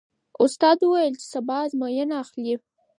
استاد وویل چې سبا ازموینه اخلي.